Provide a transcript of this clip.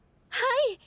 ⁉はい！